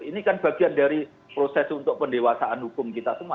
ini kan bagian dari proses untuk pendewasaan hukum kita semua